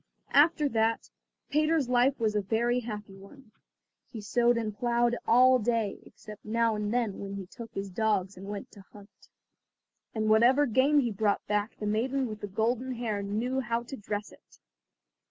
After that Peter's life was a very happy one. He sowed and ploughed all day, except now and then when he took his dogs and went to hunt. And whatever game he brought back the maiden with the golden hair knew how to dress it.